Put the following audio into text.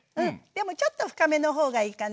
でもちょっと深めの方がいいかな。